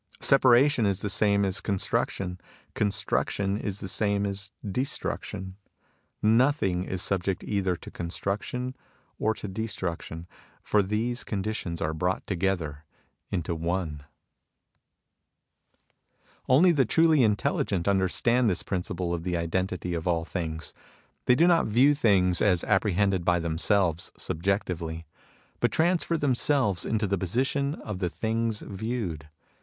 Separation is the same as construction : construction is the same as destruction. Nothing is subject either to construction or to destruction, for these con ditions are brought together into One. 45 MUSINGS OF A CHINESE MYSTIC " Only the truly intelligent understand this principle of the identity of all things. They do not view things as apprehended by themselves, subjectively ; but transfer themselves into the position of the things viewed.